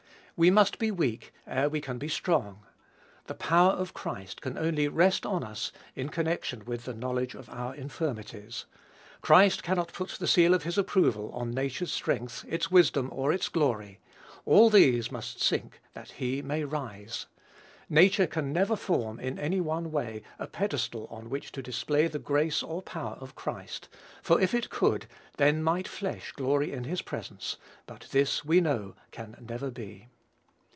We must be "weak" ere we can be "strong." "The power of Christ" can only "rest on us" in connection with the knowledge of our infirmities. Christ cannot put the seal of his approval upon nature's strength, its wisdom, or its glory: all these must sink that he may rise. Nature can never form, in any one way, a pedestal on which to display the grace or power of Christ; for if it could, then might flesh glory in his presence; but this, we know, can never be.